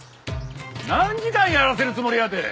何時間やらせるつもりやて。